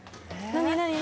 何？